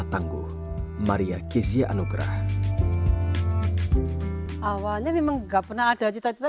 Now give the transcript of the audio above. ketua smp maria kizia anugrah berkata bahwa mereka tidak pernah berjalan jauh ke sekolah